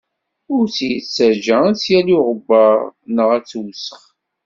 Ur tt-yettaǧǧa ad tt-yali uɣebbar neɣ ad tewsex.